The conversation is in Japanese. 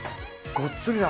ごっつりだ。